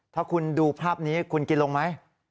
ถ้าคุณดูภาพนี้คุณกินลงไหม